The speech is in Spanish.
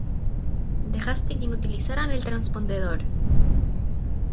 dejaste que inutilizaran el transpondedor.